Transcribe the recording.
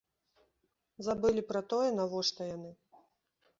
Забылі пра тое, навошта яны.